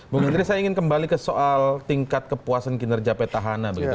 bu menteri saya ingin kembali ke soal tingkat kepuasan kinerja petahana begitu